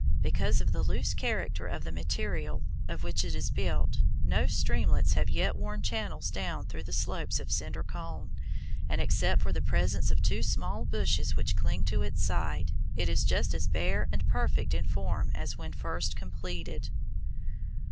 Because of the loose character of the material of which it is built, no streamlets have yet worn channels down the slopes of Cinder Cone, and except for the presence of two small bushes which cling to its side, it is just as bare and perfect in form as when first completed.